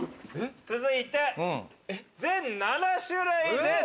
続いて、全７種類です。